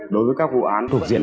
đối với các vụ án thuộc diện